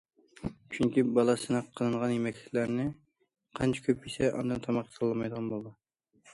چۈنكى بالا سىناق قىلىنغان يېمەكلىكلەرنى قانچە كۆپ يېسە، ئاندىن تاماق تاللىمايدىغان بولىدۇ.